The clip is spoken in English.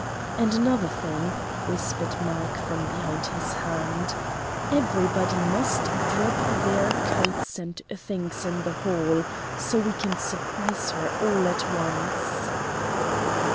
"And another thing," whispered Mark from behind his hand "everybody must drop their coats and things in the hall, so we can surprise her all at once."